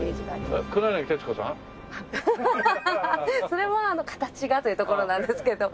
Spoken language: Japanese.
それは形がというところなんですけれど。